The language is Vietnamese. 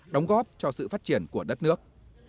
đóng góp cho sự phát triển của đất nước